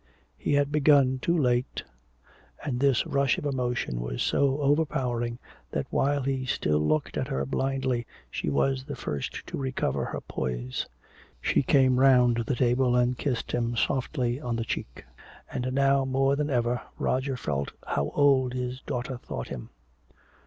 He had begun too late! And this rush of emotion was so overpowering that while he still looked at her blindly she was the first to recover her poise. She came around the table and kissed him softly on the cheek. And now more than ever Roger felt how old his daughter thought him.